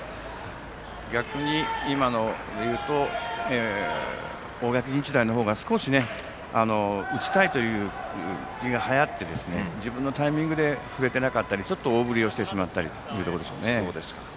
逆に、今ので言うと大垣日大の方が少し打ちたいという気がはやって自分のタイミングで振れていなかったりちょっと大振りをしてしまったりというところでしょうね。